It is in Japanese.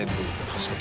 確かに。